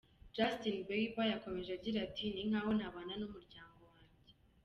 Justin Bieber yakomeje agira ati: “Ni nkaho ntabana n’umuryango wanjye.